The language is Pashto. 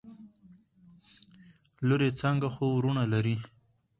لورې څانګه څو وروڼه لري؟؟